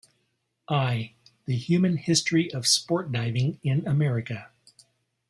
I, the Human History of Sport Diving in America.